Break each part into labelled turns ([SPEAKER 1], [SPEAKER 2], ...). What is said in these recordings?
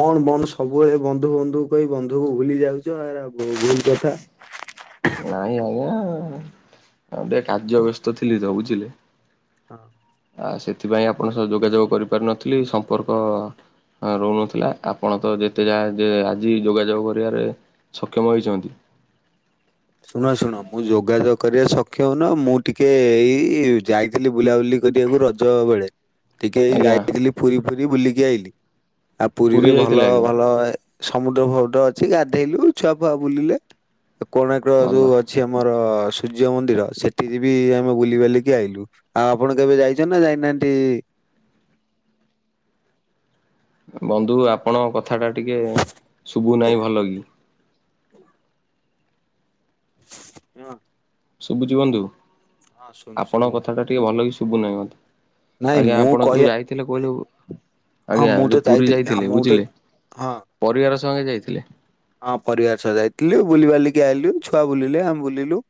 [SPEAKER 1] କଣ ବନ୍ଧୁ ସବୁବେଳେ ବନ୍ଧୁ ବନ୍ଧୁ କହି ବନ୍ଧୁକୁ ଭୁଲି ଯାଉଚ। ଏରା ଭୁଲ୍ କଥା।
[SPEAKER 2] ନାଇଁ ଆଜ୍ଞା ମୁଁ ଟିକେ କାର୍ଯ୍ୟ ବ୍ୟସ୍ତ ଥିଲି ତ ବୁଝିଲେ।
[SPEAKER 1] ହଁ ହଁ।
[SPEAKER 2] ଆ ସେଥିପାଇଁ ଆପଣଙ୍କ ସହ ଯୋଗାଯୋଗ କରିପାରୁ ନଥିଲି ସମ୍ପର୍କ ହଁ ରହୁନଥିଲା। ଆପଣ ତ ଯେତେ ଯାହା ଯେ ଆଜି ଯୋଗାଯୋଗ କରିବାରେ ସକ୍ଷମ ହୋଇଚନ୍ତି।
[SPEAKER 1] ଶୁଣ ଶୁଣ ମୁଁ ଯୋଗାଯୋଗ କରିବା ସକ୍ଷମ ନୁହଁ। ମୁଁ ଟିକେ ଏଇ ଯାଇ ଥିଲି ବୁଲାବୁଲି କରିବାକୁ ରଜ ବେଳେ। ଟିକେ
[SPEAKER 2] ଆଜ୍ଞା
[SPEAKER 1] ଯାଇଥିଲି ପୁରୀ ଫୁରୀ ବୁଲିକି ଆଇଲି। ଆ
[SPEAKER 2] ପୁରୀ
[SPEAKER 1] ପୁରୀରେ ଭଲ
[SPEAKER 2] ଯାଇଥିଲେ ଆଜ୍ଞା
[SPEAKER 1] ଭଲ ସମୁଦ୍ର ଫମୁଦ୍ର ଅଛି ଗାଧେଇଲୁ, ଛୁଆ ଫୁଆ ବୁଲିଲେ ଆଉ କୋଣାର୍କ
[SPEAKER 2] ଭଲ।
[SPEAKER 1] ଯୋଉ ଅ ଛି ଆମର ସୂର୍ଯ୍ୟ ମନ୍ଦିର ସେଠିରେ ବି ଆମେ ବୁଲିବାଲିକି ଆଇଲୁ। ଆ ଆପଣ କେବେ ଯାଇଛନ୍ତି ନା ଯାଇନାହାନ୍ତି
[SPEAKER 2] ବନ୍ଧୁ ଆପଣ ଙ୍କ କଥାଟା ଟିକେ ଶୁଭୁନାହିଁ ଭଲ କି।
[SPEAKER 1] [unintelligible]
[SPEAKER 2] ଶୁବୁଚି ବନ୍ଧୁ।
[SPEAKER 1] ହଁ ଶୁଣୁ
[SPEAKER 2] ଆପଣଙ୍କ
[SPEAKER 1] ଶୁଭିଲା
[SPEAKER 2] କଥାଟା ଟିକେ ଭଲ କି ଶୁଭୁନାହିଁ ମତେ।
[SPEAKER 1] ନାଇଁ
[SPEAKER 2] ଆଜ୍ଞା
[SPEAKER 1] ମୁଁ
[SPEAKER 2] ଆପଣ
[SPEAKER 1] କହିବା
[SPEAKER 2] ଯୋଉ ଯାଇ ଥିଲେ କହିଲୁ,
[SPEAKER 1] ହଁ
[SPEAKER 2] ଆଜ୍ଞା
[SPEAKER 1] ମୁଁ ତ
[SPEAKER 2] ଯୋଉ ପୁରୀ
[SPEAKER 1] ଯାଇଥିଲି ଆ
[SPEAKER 2] ଯାଇଥିଲେ
[SPEAKER 1] ମୁଁ ତ
[SPEAKER 2] ବୁଝିଲେ
[SPEAKER 1] ହଁ କୁହ।
[SPEAKER 2] ପରିବାର ସହ ହିଁ ଯାଇଥିଲେ।
[SPEAKER 1] ହଁ ପରିବାର ସହ ଯାଇଥିଲୁ। ବୁଲିିବାଲିକି ଆଇଲୁ। ଛୁଆ ବୁଲିଲେ ଆମେ ବୁଲିଲୁ।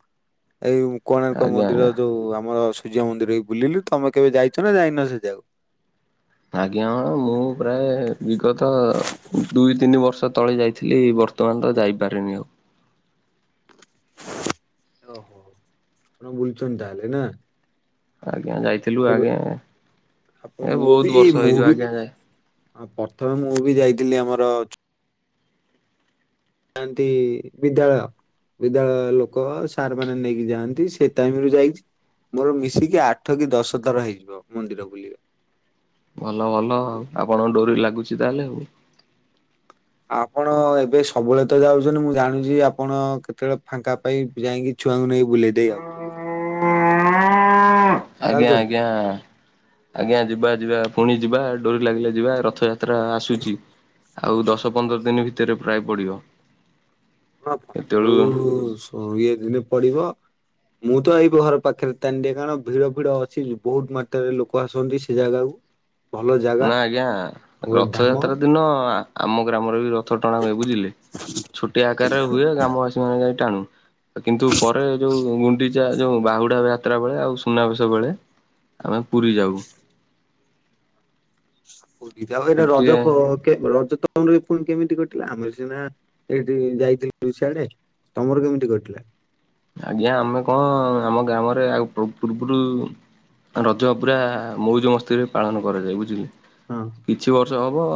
[SPEAKER 1] ଏଇ କୋଣାର୍କ
[SPEAKER 2] ଆଜ୍ଞା
[SPEAKER 1] ମନ୍ଦିର
[SPEAKER 2] ଆଜ୍ଞା
[SPEAKER 1] ଯୋଉ ଆମର ସୂର୍ଯ୍ୟ ମନ୍ଦିର ବି ବୁଲିଲୁ। ତମେ କେବେ ଯାଇଚ ନା ଯାଇନ ସେ ଯାଗାକୁ?
[SPEAKER 2] ଆଜ୍ଞା ହଁ ମୁଁ ପ୍ରାୟ ବିଗତ ଦୁଇ ତିନି ବର୍ଷ ତଳେ ଯାଇଥିଲି। ବର୍ତ୍ତମାନ ତ ଯାଇପାରିନି ଆଉ।
[SPEAKER 1] ଓହୋ। ଆପଣ ବୁଲିଚନ୍ତି ତାହେଲେ ନା?
[SPEAKER 2] ଆଜ୍ଞା ଯାଇଥିଲୁ
[SPEAKER 1] କେବେ
[SPEAKER 2] ଆଜ୍ଞା।
[SPEAKER 1] ଆପଣ
[SPEAKER 2] ଏ ବହୁତ ବର୍ଷ ହେଇଯିବ ଆଜ୍ଞା।
[SPEAKER 1] ଅ ପ୍ରଥମେ ମୁଁ ବି ଯାଇଥିଲି ଆମର ଯାନ୍ତି ବିଦ୍ୟାଳୟ ବିଦ୍ୟାଳୟ ଲୋକ ସାର୍ ମାନେ ନେଇକି ଯାଆନ୍ତି, ସେ ଟାଇମରୁ ଯାଇଚି। ମୋର ମିଶିକି ଆଠ କି ଦଶ ଥର ହେଇଯିବ ମନ୍ଦିର ବୁଲିବା।
[SPEAKER 2] ଭଲ ଭଲ ଆଉ। ଆପଣଙ୍କ ଡୋରି ଲାଗୁଚି ତାହେଲେ ଆଉ।
[SPEAKER 1] ଆପଣ ଏବେ ସବୁବେଳେ ତ ଯାଉଛନ୍ତି। ମୁଁ ଜାଣୁଚି ଆପଣ କେତେବେଳେ ଫାଙ୍କା ପାଇଁ ଯାଇଁକି ଛୁଆଙ୍କୁ ନେଇ ବୁଲେଇ ଦେଇ ଆଉଛନ୍ତି
[SPEAKER 2] ଆଜ୍ଞା
[SPEAKER 1] ଯାଉଛନ୍ତି
[SPEAKER 2] ଆଜ୍ଞା। ଆଜ୍ଞା ଯିବା ଯିବା ପୁଣି ଯିବା, ଡୋରି ଲାଗିଲେ ଯିବା ରଥଯା ତ୍ରା ଆସୁଚି, ଆଉ ଦଶ ପନ୍ଦର ଦିନ ଭିତରେ ପ୍ରାୟ ପଡିବ।
[SPEAKER 1] [unintelligible] ଇଏ ଦିନେ ପଡିବ। ମୁଁ ତ ଏଇ ଘର ପାଖରେ ଟାଣି ଦିଏ। କାରଣ ଭିଡ ଭିଡ ଅଛି ବହୁତ ମାତ୍ରାରେ ଲୋକ ଆସନ୍ତି ସେ ଜାଗାକୁ। ଭଲ ଜାଗା
[SPEAKER 2] ନା ଆଜ୍ଞା
[SPEAKER 1] ଗୋଟେ ଧାମ
[SPEAKER 2] ରଥଯାତ୍ରା
[SPEAKER 1] ଆଉ
[SPEAKER 2] ଦିନ ଆମ ଗ୍ରାମରେ ବି ରଥ ଟଣା ହୁଏ ବୁଝିଲେ। ଛୋଟିଆ ଆକାରରେ ହୁଏ ଗ୍ରାମବାସୀ ମାନେ ଯାଇ ଟାଣୁ। କିନ୍ତୁ ପରେ ଯୋଉ ଗୁଣ୍ଡିଚା ଯୋଉ ବାହୁଡା ଯାତ୍ରା ବେଳେ ଆଉ ସୁନାବେଶ ବେଳେ ଆମେ ପୁରୀ ଯାଉ।
[SPEAKER 1] ପୁରୀ ତାପରେ
[SPEAKER 2] ସେଠି
[SPEAKER 1] ରଜ
[SPEAKER 2] ଟିକେ
[SPEAKER 1] ପ କେ ରଜ ତମର ପୁଣି କେମିତି କଟିଲା? ଆମେ ସିନା ଏଇଠି ଯାଇଥିଲୁୁ ସିଆଡେ। ତମର କେମିତି କଟିଲା।
[SPEAKER 2] ଆଜ୍ଞା ଆମେ କଣ ଆମ ଗ୍ରାମ ରେ ଆଉ ପୂର୍ବରୁ ରଜ ପୁରା ମଉଜ ମସ୍ତିରେ ପାଳନ କରାଯାଏ ବୁଝିଲେ।
[SPEAKER 1] ହଁ।
[SPEAKER 2] କିଛି ବର୍ଷ ହବ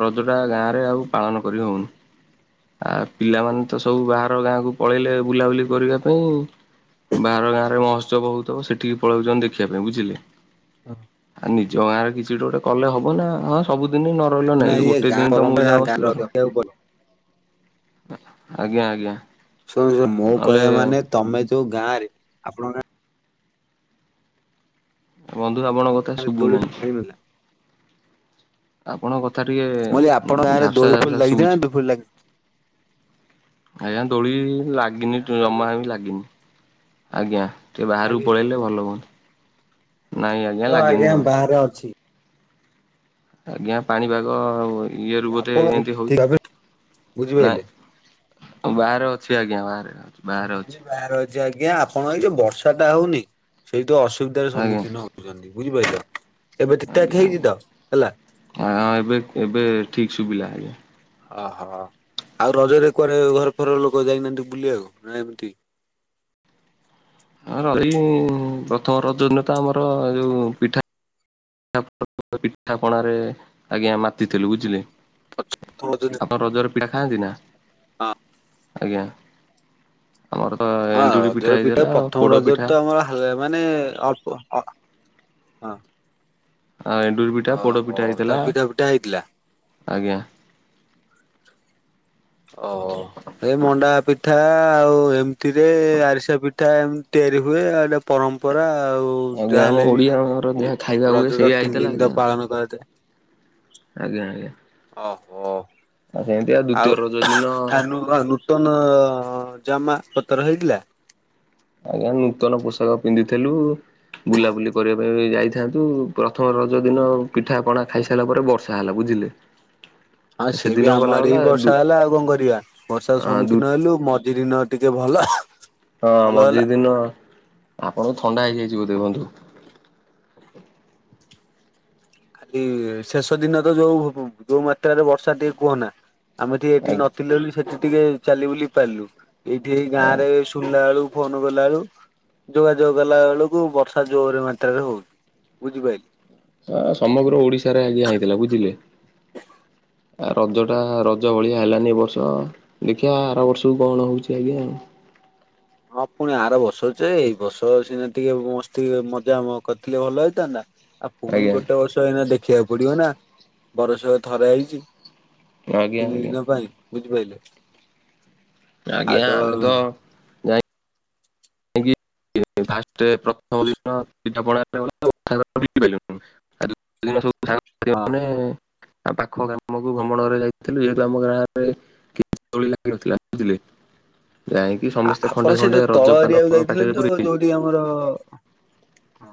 [SPEAKER 2] ରଜଟା ଗାଁରେ ଆଉ ପାଳନ କରି ହଉନି। ଆ ପିଲାମାନେ ତ ସବୁ ବାହାର ଗାଁକୁ ପଳେଇଲେ ବୁଲାବୁଲି କରିବା ପାଇଁ ବାହାର ଗାଁରେ ମହୋତ୍ସବ ହଉଥବ ସେଠିକି ପଳଉଛନ୍ତି ଦେଖିବା ପାଇଁ ବୁଝିଲେ?
[SPEAKER 1] ହ
[SPEAKER 2] ଆଉ ନିଜ ଗାଁରେ କିଛି ଗୋଟେ କଲେ ହବ ନା ହଁ ସବୁଦିନ ନ ରହିଲ
[SPEAKER 1] ନା
[SPEAKER 2] ନାଇଁ
[SPEAKER 1] ଇଏ
[SPEAKER 2] ଗୋଟେ
[SPEAKER 1] ଗାଁ
[SPEAKER 2] ଦିନ ତମକୁ
[SPEAKER 1] ପରମ୍ପରା
[SPEAKER 2] ଯା
[SPEAKER 1] ଗାଁ
[SPEAKER 2] ବସିିବାର
[SPEAKER 1] ରଖିବାକୁ ପଡିବ।
[SPEAKER 2] ଆଜ୍ଞା ଆଜ୍ଞା।
[SPEAKER 1] ଶୁଣ ଶୁ ମୋ
[SPEAKER 2] ନହେଲେ
[SPEAKER 1] କହିବା ମାନେ ତମେ ଯୋଉ ଗାଁରେ ଆପଣଙ୍କ
[SPEAKER 2] ବନ୍ଧୁ ଆପଣ କ
[SPEAKER 1] ଆ ଦୌଡ଼ିିବାଇ [inaudible]
[SPEAKER 2] ଆପଣଙ୍କ କଥା
[SPEAKER 1] ମୁଁ କହିଲି ଆପଣଙ୍କ
[SPEAKER 2] ଟିକିେ
[SPEAKER 1] ଗାଁରେ
[SPEAKER 2] ଝାପ୍ସା
[SPEAKER 1] ଦୋଳି ଫୋଳି
[SPEAKER 2] ଝାପ୍ସା
[SPEAKER 1] ଲାଗିଥିଲା ନା
[SPEAKER 2] ଶୁଭୁଛି।
[SPEAKER 1] ଦୋଳି ଫୋଳି ଲାଗିନି?
[SPEAKER 2] ଆଜ୍ଞା ଦୋଳି ଲାଗିନି ଜମା ହେମତି ଲାଗିନି। ଆଜ୍ଞା ଟିକେ ବାହାରକୁ
[SPEAKER 1] ଲାଗିନି
[SPEAKER 2] ପଳେଇଲେ ଭଲ ହୁଅନ୍ତା। ନାଇଁ
[SPEAKER 1] ତ
[SPEAKER 2] ଲାଗିନି
[SPEAKER 1] ଆଜ୍ଞା
[SPEAKER 2] ଜମା।
[SPEAKER 1] ବାହାରେ ଅଛି।
[SPEAKER 2] ଆଜ୍ଞା ପାଣିପାଗ ଇଏରୁ ବୋଧେ
[SPEAKER 1] ଆପଣ
[SPEAKER 2] ଏନ୍ତି
[SPEAKER 1] ଠିକ
[SPEAKER 2] ହେଉଛି
[SPEAKER 1] ଭାବେ ବୁଝିପାରିଲେ।
[SPEAKER 2] ନାଇଁ? ବାହାରେ ଅଛି ଆଜ୍ଞା ବାହାରେ
[SPEAKER 1] ଆଉ
[SPEAKER 2] ବାହାରେ
[SPEAKER 1] ମୁଁ
[SPEAKER 2] ଅଛି
[SPEAKER 1] ବି ବାହାରେ ଅଛି ଆଜ୍ଞା ଆପଣଙ୍କ ଏଇ ଯଉ ବର୍ଷାଟା ହଉନି ସେଇଠୁ ଅସୁବିଧାର
[SPEAKER 2] ଆଜ୍ଞା
[SPEAKER 1] ସମ୍ମୁଖୀନ ହଉ ବୁଝିପାଇଲେ?
[SPEAKER 2] ଆଜ୍ଞା ଆଜ୍ଞା ଏବେ ଏବେ ଠିକ ସୁବିଲା ଆଜ୍ଞା।
[SPEAKER 1] ଅ ହ ଆଉ ରଜରେ କୁଆଡେ ଘରଫର ଲୋକ ଯାଇନାହାଁନ୍ତି ବୁଲିବାକୁ ନା ଏମତି?
[SPEAKER 2] ହ ଏଇ ପ୍ରଥମ ରଜଦିନ ତ ଆମର ଯୋଉ ପିଠା ପିଠା ପଣାରେ ଆଜ୍ଞା ମାତିଥିଲୁ ବୁଝିଲେ?
[SPEAKER 1] ଥ ଦିନ [inaudible]
[SPEAKER 2] ଆପଣ ରଜର ପୀଠା ଖାଆନ୍ତି ନା?
[SPEAKER 1] ହଁ।
[SPEAKER 2] ଆଜ୍ଞା ଆମର ତ
[SPEAKER 1] ହଁ
[SPEAKER 2] ଏଣ୍ଡୁରି ପିଠା ହେଇଥେଲା ପୋଡ଼ ପିଠା
[SPEAKER 1] ହେଲେ ମାନେ ଅଳ୍ପ ହଁ
[SPEAKER 2] ଆ ଏଣ୍ଡୁରି ପିଠା ପୋଡ
[SPEAKER 1] ଓହୋ
[SPEAKER 2] ପିଠା ହେଇଥିଲା।
[SPEAKER 1] ତାର ପିଠା ପିଠା ହେଇଥିଲା
[SPEAKER 2] ଆଜ୍ଞା।
[SPEAKER 1] ଓ ଏ ମଣ୍ଡା ପିଠା ଆଉ ଏମିତିରେ ଆରିସା ପି ପିଠା ଏମତି ତିଆରି ହୁଏ ଆଉ ଏଇଟା ପରମ୍ପରା ଆଉ।
[SPEAKER 2] ଆଜ୍ଞା ଆମ
[SPEAKER 1] ଯାହାହେଲେ
[SPEAKER 2] ଓଡିଆଙ୍କର
[SPEAKER 1] ବି
[SPEAKER 2] ଯାହା ଖାଇବା ହୁଏ
[SPEAKER 1] ରଜତ
[SPEAKER 2] ସେଇଆ
[SPEAKER 1] ତିନି
[SPEAKER 2] ହେଇଥିଲା
[SPEAKER 1] ଦିନ ତ
[SPEAKER 2] ଆଜ୍ଞା
[SPEAKER 1] ପାଳନ କରାଯାଏ।
[SPEAKER 2] ଆଜ୍ଞା ଆଜ୍ଞା।
[SPEAKER 1] ଓହୋ।
[SPEAKER 2] ଆଉ ହେନ୍ତି ଆଉ ଦ୍ଵିତୀୟ ରଜ ଦିନ
[SPEAKER 1] ହ [inaudible] ତନ ଜାମା ପତର ହେଇଥିଲା?
[SPEAKER 2] ଆଜ୍ଞା ନୂତନ ପୋଷାକ ପିନ୍ଧିଥେଲୁ। ବୁଲାବୁଲି କରିବା ପାଇଁ ଯାଇଥାନ୍ତୁ ପ୍ରଥମ ରଜ ଦିନ ପିଠା ପଣା ଖାଇସାରିଲା ପରେ ବର୍ଷା ହେଲା ବୁଝିଲେ? [inaudible]
[SPEAKER 1] ହଁ ସିଏ
[SPEAKER 2] ସେଦିନ
[SPEAKER 1] ବି ଆମ
[SPEAKER 2] ଗଲା
[SPEAKER 1] ଆଡେ
[SPEAKER 2] ଗଲା
[SPEAKER 1] ବି
[SPEAKER 2] ଦୁ
[SPEAKER 1] ବର୍ଷା ହେଲା। ଆଉ କଣ କରିବା। ବର୍ଷାର
[SPEAKER 2] ହଁ ଦୁ
[SPEAKER 1] ସମ୍ମୁଖୀନ ହେଲୁ। ମଝିଦିନ ଟିକେ ଭଲ।
[SPEAKER 2] ହଁ,
[SPEAKER 1] ଭଲ
[SPEAKER 2] ମଝି
[SPEAKER 1] ହେଲା
[SPEAKER 2] ଦିନ। ଆପଣଙ୍କୁ ଥଣ୍ଡା ହେଇଯାଇଛିି ବୋଧେ ବନ୍ଧୁ?
[SPEAKER 1] ଖାଲି ଶେଷ ଦିନ ତ ଯଉ, ଯଉ ମାତ୍ରାରେ ବର୍ଷା ଟିକେ କୁହନା। ଆମେ ଟିକେ ଏଠି
[SPEAKER 2] ଆଜ୍ଞା
[SPEAKER 1] ନଥିଲେ ବୋଲି ସେଠି ଟିକେ ଚାଲି ବୁଲି ପାରିଲୁ। ଏଇଠି ଏଇ ଗାଁରେ ସୁଣିଲା ବେଳୁ ଫୋନ କଲା ବେଳୁ ଯୋଗାଯୋଗ କଲା ବେଳକୁ ବର୍ଷା ଜୋର ମାତ୍ରାରେ ହଉଛି। ବୁଝିପାରିଲେ?
[SPEAKER 2] ହଁ, ସମଗ୍ର ଓଡିଶାରେ ଆଜ୍ଞା ହେଇଥିଲା। ବୁଝିଲେ? ଆ ରଜ ଟା ରଜ ଭଳିଆ ହେଲାନି ଏ ବର୍ଷ। ଦେଖିଆ ଆର ବର୍ଷକୁ କଣ ହଉଛି ଆଜ୍ଞା ଆ।
[SPEAKER 1] ହଁ, ପୁଣି ଆର ବର୍ଷ ଯେ। ଏଇ ବର୍ଷ ସିନା ଟିକେ ମସ୍ତି, ମଜା କରିଥିଲେ ଭଲ ହେଇଥାନ୍ତା। ଆଉ ପୁଣି
[SPEAKER 2] ଆଜ୍ଞା
[SPEAKER 1] ଗୋଟେ ବର୍ଷ ଏଇନା ଦେଖିବାକୁ ପଡିବ ନା, ବରଷକୁ ଥରେ ଆଇଛି।
[SPEAKER 2] ଆଜ୍ଞା
[SPEAKER 1] କିଛି
[SPEAKER 2] ଆଜ୍ଞା
[SPEAKER 1] ଦିନ ପାଇଁ, ବୁଝି ପାଇଲେ?
[SPEAKER 2] ଆଜ୍ଞା। ଆମେ ତ ଏ ଫାଷ୍ଟେ ପ୍ରଥମ ଦିନ ପିଠାପଣାରେ ଗଲା ଆଉ
[SPEAKER 1] ହଁ
[SPEAKER 2] [unintelligible] [unintelligible] ଆ ପାଖ ଗାମକୁ ଭ୍ରମଣରେ ଯାଇଥିଲୁ, ଯେହେତୁ ଆମ ଗାଁରେ ଦୋଳି ଲାଗିନଥିଲା ବୁଝିଲେ କି? ଯାଇଁକି ସମସ୍ତେ ଖଣ୍ଡେ ଖଣ୍ଡେ ରଜ ପାନ ପାଟିରେ ପୂରେଇ
[SPEAKER 1] ଯୋଉଠିକି ଆମର, ହଁ।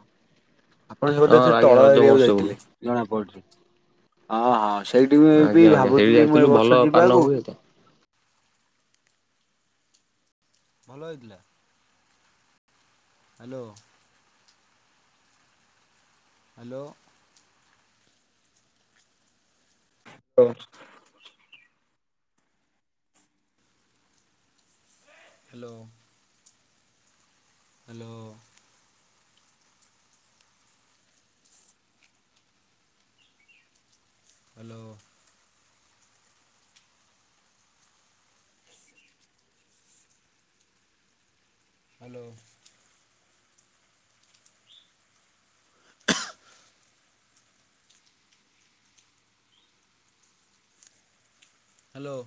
[SPEAKER 1] ଆପଣ ବୋଧେ
[SPEAKER 2] ହଁ
[SPEAKER 1] ସେ
[SPEAKER 2] ଆଜ୍ଞା
[SPEAKER 1] ତଳ
[SPEAKER 2] ରଜ
[SPEAKER 1] ଏରିଆକୁ
[SPEAKER 2] ମହୋତ୍ସବ ହୁଏ
[SPEAKER 1] ଯାଇଥିଲେ? ଜଣାପଡୁଛି। ହଁ, ହଁ, ସେଇଠି ମୁଁ ଏ ବି
[SPEAKER 2] ଆଜ୍ଞା ଆଜ୍ଞା ସେଇଠି
[SPEAKER 1] ଭାବୁଥିଲି ମୁଁ ଏ
[SPEAKER 2] ଯାଇଥିଲୁ ଭଲ
[SPEAKER 1] ବର୍ଷ
[SPEAKER 2] ପାନ
[SPEAKER 1] ଯିବାକୁ
[SPEAKER 2] ହୁଏ ତ
[SPEAKER 1] ଭଲ ହେଇଥିଲା? ହ୍ୟାଲୋ। ହ୍ୟାଲୋ। ହଁ। Hello. Hello. Hello. Hello. Hello.